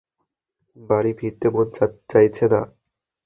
বাড়ি ফিরতে মন চাইছে না।